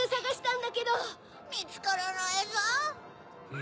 ・ん？